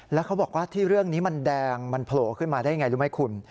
แล้วเขาบอกว่าที่เรื่องนี้มันแดงมันโผล่ขึ้นมาได้ยังไงรู้ไหมคุณ